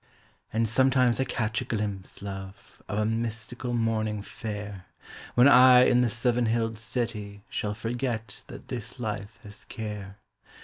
And sometimes I catch a glimpse, love, of a mystical morning fair, When I in the Seven Hilled City shall forget that this life has care.